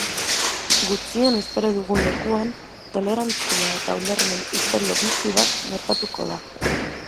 Gutxien espero dugun lekuan, tolerantzia eta ulermen istorio bitxi bat gertatuko da.